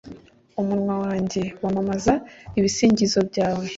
umunwa wanjye wamamaza ibisingizo byawe